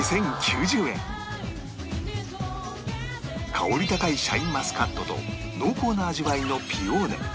香り高いシャインマスカットと濃厚な味わいのピオーネ